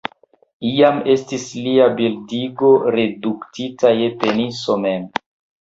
Iam estis lia bildigo reduktita je peniso mem.